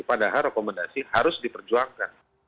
padahal rekomendasi harus diperjuangkan